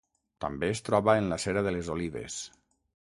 També es troba en la cera de les olives.